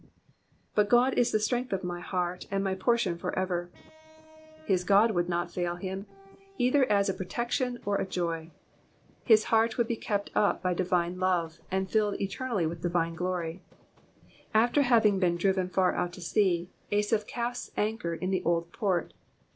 ""^But God is the strength of my hearty and my portion for eter.'^^ His God would not fail him, either as a piotection or a joy. His heart would be kept ud by divine love, and filled eternally with divine glory. After having been ariven far out to sea, Asaph casts anchor in the old port.